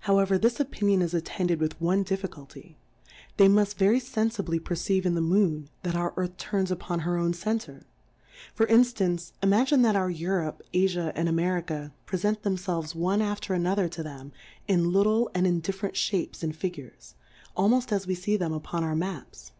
How ever, this Opinion is attended with one Difficulty ; they muft very fenfibly per ceive in the Moon, that our Earth turns upon her own Center. For In ftance, imagine that our Europe^ AJia^ and America prefent themfelves one af ter another to them in little, and in dif ferent Shapes and Figures, almoft as we fee them upon our Ma ps.